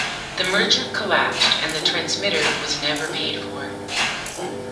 The merger collapsed, and the transmitter was never paid for.